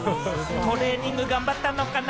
トレーニング頑張ったのかな？